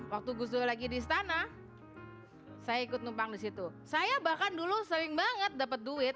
waktu gus dur lagi di istana saya ikut numpang di situ saya bahkan dulu sering banget dapet duit